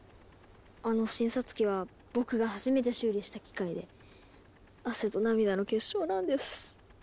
あの診察機は僕が初めて修理した機械で汗と涙の結晶なんです。